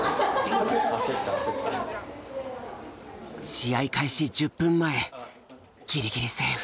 試合開始１０分前ギリギリセーフ。